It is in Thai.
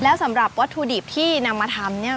แล้วสำหรับวัตถุดิบที่นำมาทำเนี่ย